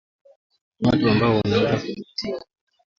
ni watu ambao wanaweza kudhibitiwa